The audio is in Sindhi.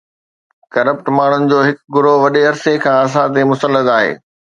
ڪرپٽ ماڻهن جو هڪ گروهه وڏي عرصي کان اسان تي مسلط آهي.